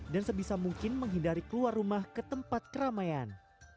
dan sebisa mungkin menghindari keluaran